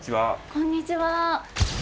こんにちは。